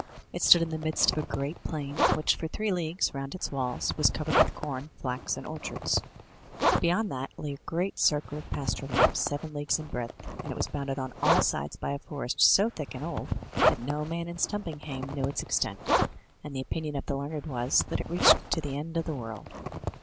It stood in the midst of a great plain, which for three leagues round its walls was covered with com, flax and orchards. Beyond that lay a great circle of pasture land, seven leagues in breadth, and it was boimded on all sides by a forest so thick and old that no man in Stumpinghame knew its extent; and the opinion of the learned was, that it reached to the end of the world.